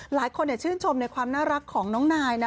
หลายคนชื่นชมในความน่ารักของน้องนายนะ